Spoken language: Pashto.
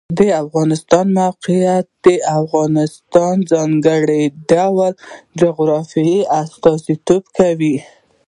د افغانستان د موقعیت د افغانستان د ځانګړي ډول جغرافیه استازیتوب کوي.